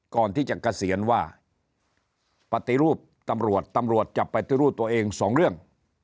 ก่อนที่จะกัสเชียรว่าปฏิรูปตำรวจตำรวจจับปฏิรูปตัวเองสองเรื่อง